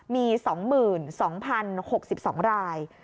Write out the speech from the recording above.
มี๒๒๐๖๒ราย